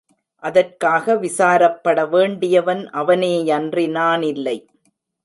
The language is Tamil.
அதற்காக விசாரப்பட வேண்டியவன் அவனேயன்றி நானில்லை.